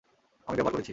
আমি ব্যবহার করেছি।